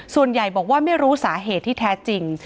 ส่วนใหญ่บอกว่าไม่รู้สาเหตุที่แท้จริง